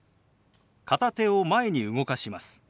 片手を前に動かします。